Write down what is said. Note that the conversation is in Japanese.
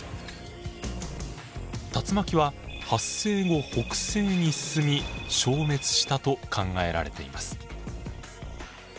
竜巻は発生後北西に進み消滅したと考えられています。